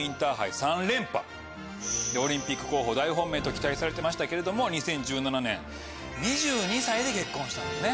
オリンピック候補大本命と期待されてましたけれども２０１７年２２歳で結婚したんですね。